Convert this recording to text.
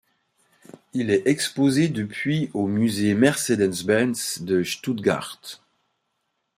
Il est exposé depuis au musée Mercedes-Benz de Stuttgart.